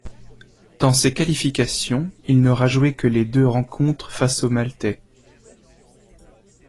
Dans ces qualifications, ll n'aura joué que les deux rencontres face aux maltais.